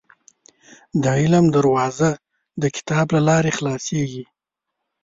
• د علم دروازه، د کتاب له لارې خلاصېږي.